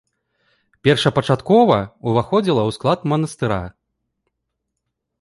Першапачаткова ўваходзіла ў склад манастыра.